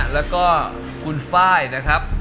แล้วก็คุณไฟล์นะครับ